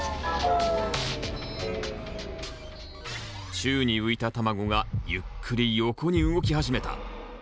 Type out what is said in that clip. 宙に浮いた卵がゆっくり横に動き始めた。